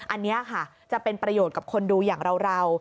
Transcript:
อันนี้ค่ะจะเป็นประโยชน์กับคนดูอย่างเรา